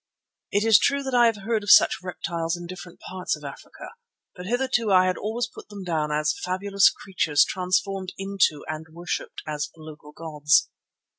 It is true that I have heard of such reptiles in different parts of Africa, but hitherto I had always put them down as fabulous creatures transformed into and worshipped as local gods.